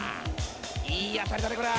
［いい当たりだねこりゃ］